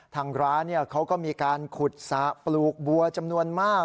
ทางร้านเขาก็มีการขุดสระปลูกบัวจำนวนมาก